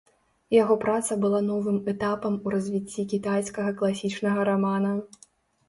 Яго праца была новым этапам у развіцці кітайскага класічнага рамана.